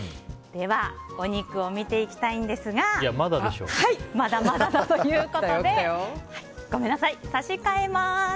では、お肉を見ていきたいんですがまだまだということでごめんなさい、差し替えます。